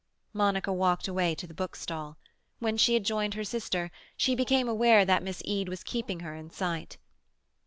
Monica walked away to the bookstall. When she had joined her sister, she became aware that Miss Eade was keeping her in sight.